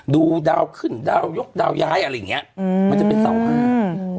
ดูดาวขึ้นดาวยกดาวย้ายอะไรอย่างเงี้ยอืมมันจะเป็นเสาห้าอืม